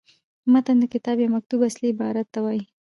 متن د کتاب یا مکتوت اصلي عبارت ته وايي.